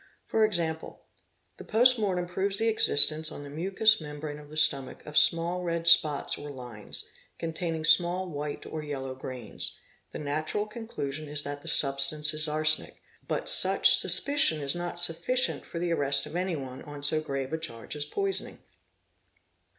For example, the post mortem proves the existence on the mucous membrane of the stomach of small red spots or lines, containing small white or yellow grains; the natural conclusion is that the substance is arsenic, but such suspicion is not sufficient for the arrest of anyone on so grave a charge as poisoning.